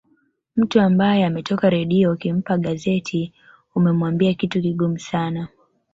Mtu ambaye ametoka redio ukimpa gazeti umemwambia kitu kigumu sana